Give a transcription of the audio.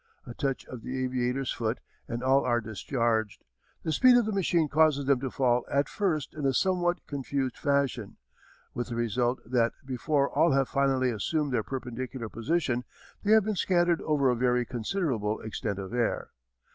A touch of the aviator's foot and all are discharged. The speed of the machine causes them to fall at first in a somewhat confused fashion, with the result that before all have finally assumed their perpendicular position they have been scattered over a very considerable extent of air.